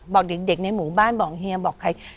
บอกเด็กในหมู่บ้านบอกเฮียบอกใคร